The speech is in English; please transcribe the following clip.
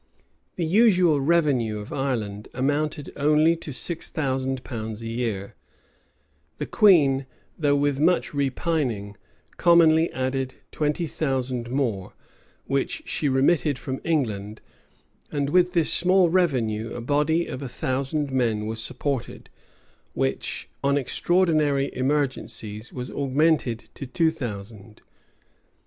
[*] The usual revenue of Ireland amounted only to six thousand pounds a year:[] the queen, though with much repining,[] commonly added twenty thousand more, which she remitted from England; and with this small revenue a body of a thousand men was supported, which, on extraordinary emergencies, was augmented to two thousand.